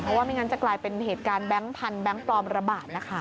เพราะว่าไม่งั้นจะกลายเป็นเหตุการณ์แบงค์พันธุแบงค์ปลอมระบาดนะคะ